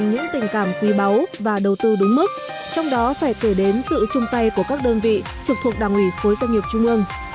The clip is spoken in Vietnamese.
những tình cảm quý báu và đầu tư đúng mức trong đó phải kể đến sự chung tay của các đơn vị trực thuộc đảng ủy khối doanh nghiệp trung ương